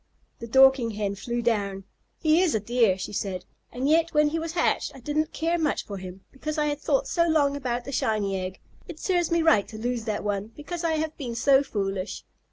The Dorking Hen flew down. "He is a dear," she said, "and yet when he was hatched I didn't care much for him, because I had thought so long about the shiny egg. It serves me right to lose that one, because I have been so foolish.